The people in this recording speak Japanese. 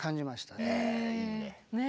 ねえ。